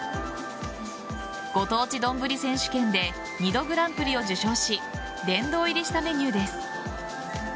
ご当地どんぶり選手権で２度、グランプリを受賞し殿堂入りしたメニューです。